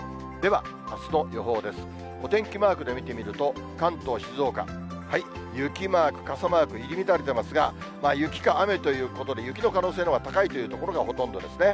お天気マークで見てみると、関東、静岡、雪マーク、傘マーク、入り乱れてますが、雪か雨ということで、雪の可能性のほうが高いという所がほとんどですね。